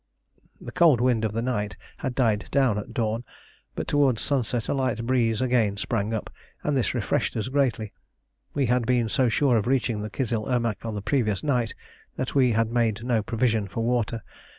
The cold wind of the night had died down at dawn, but towards sunset a light breeze again sprang up, and this refreshed us greatly. We had been so sure of reaching the Kizil Irmak on the previous night that we had made no provision for water.